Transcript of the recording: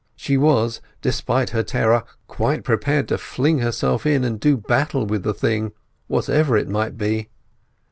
She was, despite her terror, quite prepared to fling herself in and do battle with the thing, whatever it might be.